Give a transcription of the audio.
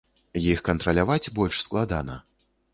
Іх кантраляваць больш складана.